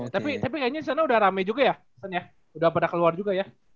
tapi kayaknya disana udah rame juga ya sen ya udah pada keluar juga ya